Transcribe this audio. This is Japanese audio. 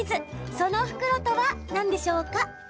その袋とは何でしょう？